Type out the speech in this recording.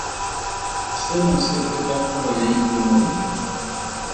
Seno se feta kgolo ya ikonomi.